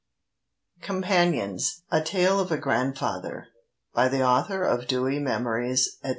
COMPANIONS. A TALE OF A GRANDFATHER. BY THE AUTHOR OF "DEWY MEMORIES," &c.